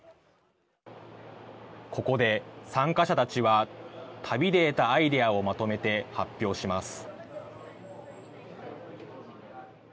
ここで参加者たちは旅で得たアイデアをまとめて発表します。